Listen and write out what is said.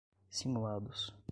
simulados